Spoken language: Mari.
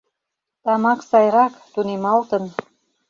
Тамак сайрак, тунемалтын.